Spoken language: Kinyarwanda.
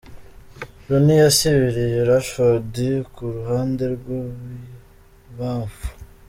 Rooney yasibiriye Rashford ku ruhande rw'ibubanfu.